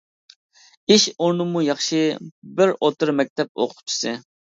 ئىش ئورنۇممۇ ياخشى، بىر ئوتتۇرا مەكتەپ ئوقۇتقۇچىسى.